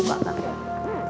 aku sengaja menghindarimu